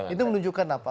itu menunjukkan apa